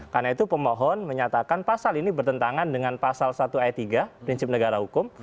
karena itu pemohon menyatakan pasal ini bertentangan dengan pasal satu ayat tiga prinsip negara hukum